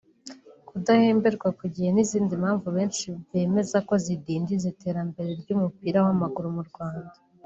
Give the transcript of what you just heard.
kudahemberwa ku gihe n’izindi mpamvu benshi bemeza ko zidindiza iterambere ry’umupira w’amaguru mu Rwanda